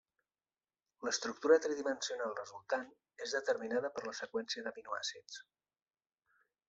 L'estructura tridimensional resultant és determinada per la seqüència d'aminoàcids.